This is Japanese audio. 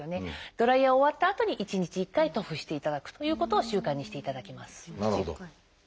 ドライヤー終わったあとに１日１回塗布していただくということを習慣にしていただきます。